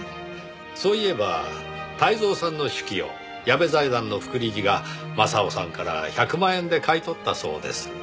そういえば泰造さんの手記を矢部財団の副理事が雅夫さんから１００万円で買い取ったそうです。